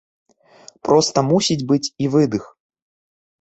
Проста мусіць быць і выдых.